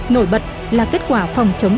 nổi bật là kết quả phòng chống